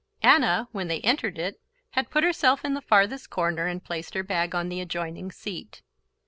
Anna, when they entered it, had put herself in the farthest corner and placed her bag on the adjoining seat.